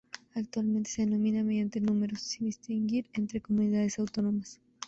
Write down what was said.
Actualmente se denominan mediante números, sin distinguir entre comunidades autónomas.